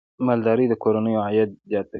مالدارۍ د کورنیو عاید زیاتوي.